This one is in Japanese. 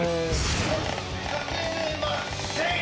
かけません！